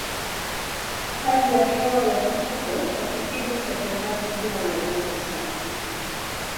Hali ya hewa ya huko kwa kipindi cha kiangazi huwa na joto sana.